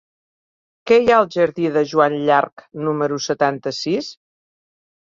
Què hi ha al jardí de Joan Llarch número setanta-sis?